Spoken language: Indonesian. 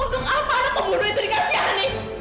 untuk apa anak pembunuh itu dikasihani